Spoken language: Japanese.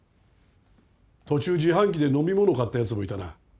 途中自販機で飲み物買ったやつもいたな。